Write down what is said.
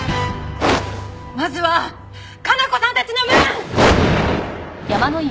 まずは加奈子さんたちの分！